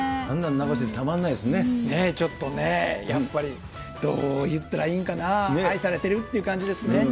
あんなの名越先生、たまんなねえ、ちょっとね、やっぱり、どういったらいいんかな、愛されてるって感じですね。